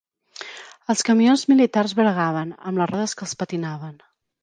Els camions militars bregaven, amb les rodes que els patinaven